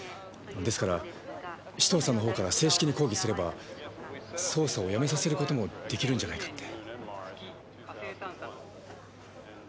ですから紫藤さんのほうから正式に抗議すれば捜査をやめさせる事もできるんじゃないかって。